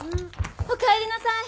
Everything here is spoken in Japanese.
おかえりなさい！